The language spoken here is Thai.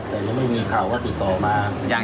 แต่ยังไม่มีข่าวว่าติดต่อมา